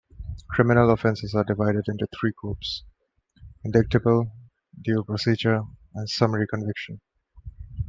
Criminal offences are divided into three groups: Indictable, Dual Procedure, and Summary Conviction.